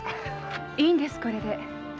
いいんですこれで。